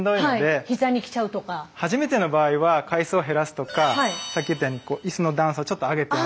はいひざにきちゃうと初めての場合は回数を減らすとかさっき言ったようにいすの段差をちょっと上げてあげる。